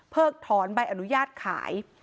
เพิ่งถอนใบอนุญาตขาย